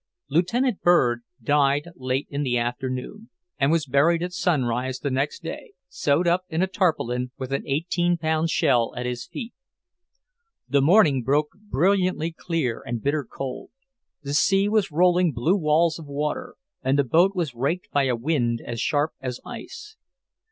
Lieutenant Bird died late in the afternoon and was buried at sunrise the next day, sewed up in a tarpaulin, with an eighteen pound shell at his feet. The morning broke brilliantly clear and bitter cold. The sea was rolling blue walls of water, and the boat was raked by a wind as sharp as ice.